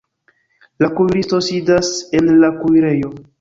La kuiristo sidas en la kuirejo.